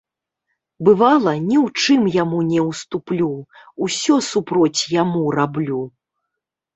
Бывала, ні ў чым яму не ўступлю, усё супроць яму раблю.